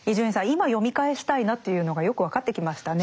今読み返したいなというのがよく分かってきましたね。